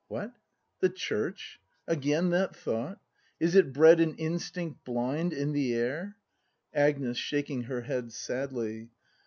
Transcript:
] What ! the Church ? Again that thought ? Is it bred an instinct blind In the air? Agnes. [Shaking her head sadly.